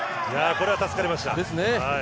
これは助かりました。